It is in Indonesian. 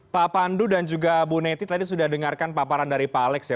pak pandu dan juga bu neti tadi sudah dengarkan paparan dari pak alex ya